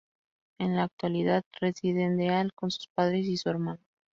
En la actualidad reside en Deal con sus padres y su hermano.